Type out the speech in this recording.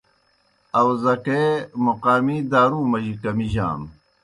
آؤزکے موقامی دارُو مجی کمِجانوْ۔